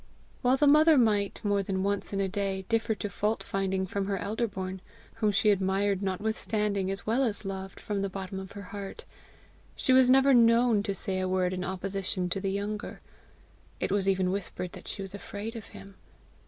While the mother might, more than once in a day, differ to fault finding from her elder born whom she admired, notwithstanding, as well as loved, from the bottom of her heart she was never KNOWN to say a word in opposition to the younger. It was even whispered that she was afraid of him.